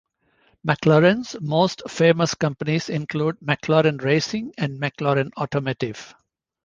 McLaren's most famous companies include McLaren Racing and McLaren Automotive.